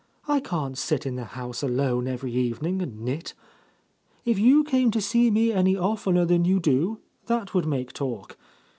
I can't sit in the house alpne every evening and knit. If you came to see me any oftener than you do, that would make talk.